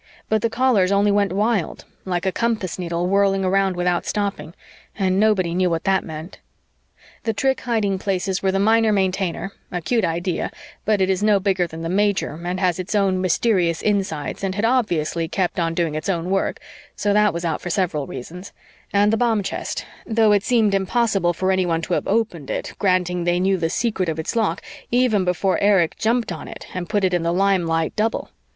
But the Callers only went wild like a compass needle whirling around without stopping and nobody knew what that meant. The trick hiding places were the Minor Maintainer, a cute idea, but it is no bigger than the Major and has its own mysterious insides and had obviously kept on doing its own work, so that was out for several reasons, and the bomb chest, though it seemed impossible for anyone to have opened it, granting they knew the secret of its lock, even before Erich jumped on it and put it in the limelight double.